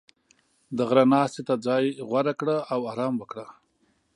• د غره ناستې ته ځای غوره کړه او آرام وکړه.